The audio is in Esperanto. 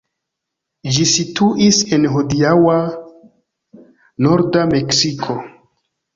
Ĝi situis en hodiaŭa norda Meksiko.